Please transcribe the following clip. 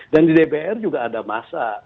dan di dpr juga ada masa